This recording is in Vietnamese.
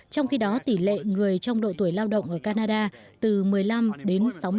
trong khi đó tỷ lệ người trong độ tuổi lao động ở canada từ bốn năm tăng hơn